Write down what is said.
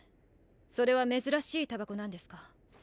それは珍しい煙草なんですか？